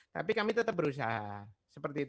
tapi kami tetap berusaha seperti itu